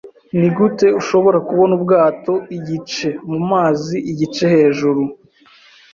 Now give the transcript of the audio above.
Nigute ushobora kubona ubwato igice mumazi igice hejuru